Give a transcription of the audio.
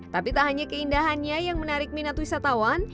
tapi tak hanya keindahannya yang menarik minat wisatawan